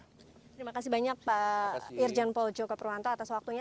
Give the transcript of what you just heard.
terima kasih banyak pak irjen pol joko purwanto atas waktunya